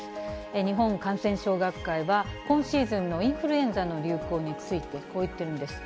日本感染症学会は、今シーズンのインフルエンザの流行について、こう言ってるんです。